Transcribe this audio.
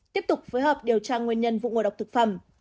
tiếp tục phối hợp điều tra nguyên nhân vụ ngộ độc thực phẩm